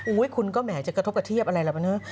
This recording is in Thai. คุณก็แหมจะกระทบกระเทียบอะไรล่ะปะเนอะ